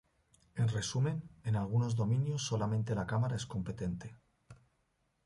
En resumen, en algunos dominios solamente la cámara es competente.